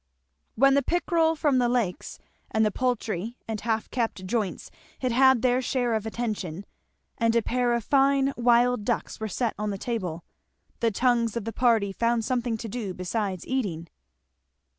When the pickerel from the lakes, and the poultry and half kept joints had had their share of attention, and a pair of fine wild ducks were set on the table, the tongues of the party found something to do besides eating.